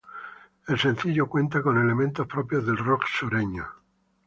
El sencillo cuenta con elementos propios del rock sureño.